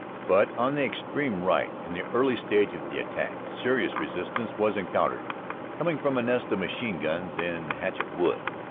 But on the extreme right in the early stage of the attack, serious resistance was encountered, coming from a nest of machine guns in Hatchett Wood.